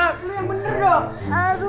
lo yang bener dong